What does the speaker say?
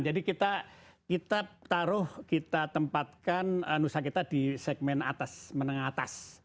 jadi kita taruh kita tempatkan nusakita di segmen atas menengah atas